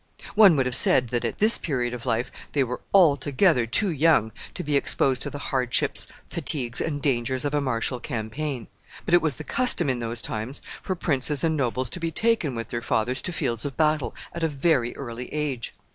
One would have said that at this period of life they were altogether too young to be exposed to the hardships, fatigues, and dangers of a martial campaign; but it was the custom in those times for princes and nobles to be taken with their fathers to fields of battle at a very early age.